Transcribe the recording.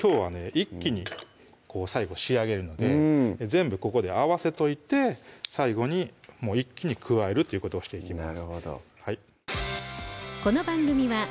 一気に最後仕上げるので全部ここで合わせといて最後に一気に加えるということをしていきます